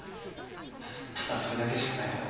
ただそれだけしかないと思って。